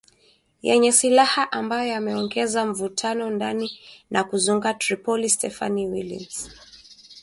yenye silaha ambayo yameongeza mvutano ndani na kuzunguka Tripoli Stephanie Williams